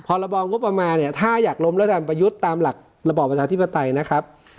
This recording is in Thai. พรบงบประมาณเนี่ยถ้าอยากล้มรัฐบาลประยุทธ์ตามหลักระบอบประชาธิปไตยนะครับ